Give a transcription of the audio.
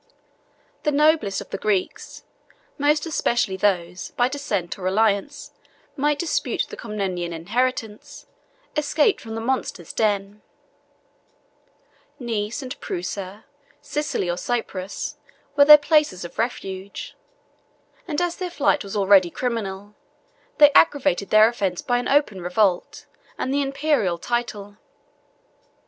The noblest of the Greeks, more especially those who, by descent or alliance, might dispute the Comnenian inheritance, escaped from the monster's den: Nice and Prusa, Sicily or Cyprus, were their places of refuge; and as their flight was already criminal, they aggravated their offence by an open revolt, and the Imperial title.